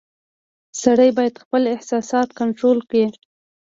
• سړی باید خپل احساسات کنټرول کړي.